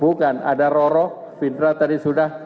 bukan ada roro fidra tadi sudah